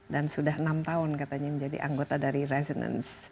dan sudah enam tahun katanya menjadi anggota dari the resonance